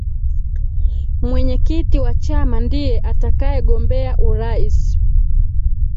mwenyekiti wa chama ndiye atakayegombea uraisi